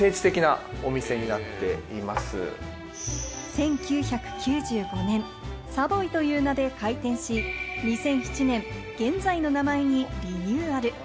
１９９５年、ＳＡＶＯＹという名で開店し、２００７年、現在の名前にリニューアル。